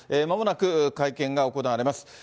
まもなく会見が行われます。